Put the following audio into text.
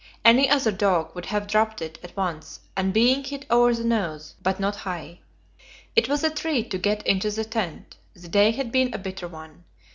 Any other dog would have dropped it at once on being hit over the nose, but not Hai. It was a treat to get into the tent; the day had been a bitter one.